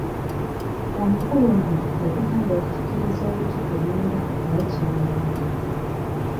Omukulu ono yatugamba okufukiriza obucupa ebimera naye kimenya nnyo.